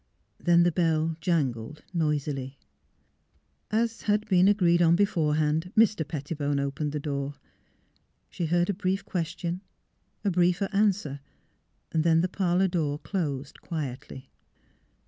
Then the bell jangled noisily. As had been agreed upon beforehand, Mr. Pet tibone opened the door. She heard a brief ques tion, a briefer answer; then the parlour door closed quietly.